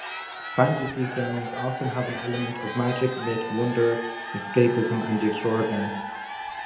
Fantasy films often have an element of magic, myth, wonder, escapism, and the extraordinary.